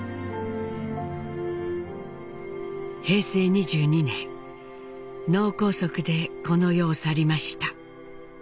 平成２２年脳梗塞でこの世を去りました。